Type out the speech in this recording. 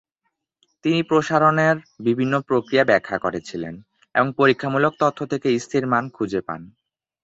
তিনি প্রসারণের বিভিন্ন প্রক্রিয়া ব্যাখ্যা করেছিলেন এবং পরীক্ষামূলক তথ্য থেকে স্থির মান খুঁজে পান।